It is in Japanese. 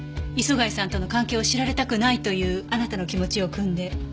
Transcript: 磯貝さんとの関係を知られたくないというあなたの気持ちを酌んで。